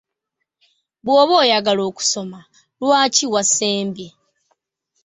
Bw’oba oyagala okusoma, lwaki wasembye?